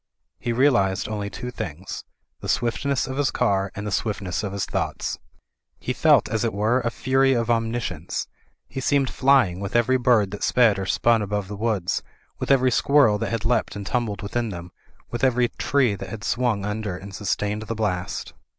He realised only two things: the swiftness of his car and the swiftness of his thoughts. Digitized by CjOOQIC I70 THE FLYING INN He felt, as it were, a fury of omniscience ; he seemed flying with every bird that sped or spun above the woods, with every squirrel that had leapt and tumbled within them, with every tree that had swung under and sustained the blast.